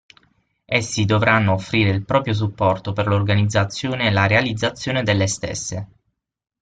Essi dovranno offrire il proprio supporto per l'organizzazione e la realizzazione delle stesse.